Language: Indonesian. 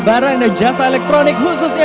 barang dan jasa elektronik khususnya